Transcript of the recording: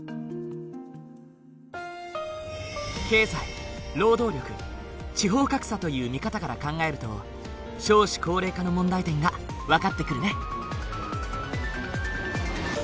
経済労働力地方格差という見方から考えると少子高齢化の問題点が分かってくるね。